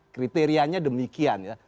kriterianya demikian ya